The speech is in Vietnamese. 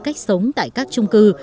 cách sống tại các trung cư